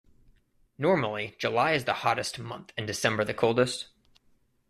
Normally July is the hottest month and December the coldest.